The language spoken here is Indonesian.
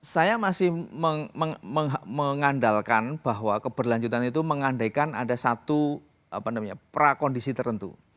saya masih mengandalkan bahwa keberlanjutan itu mengandaikan ada satu prakondisi tertentu